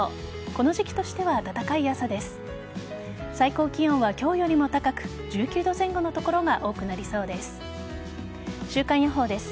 この時期としては暖かい朝です。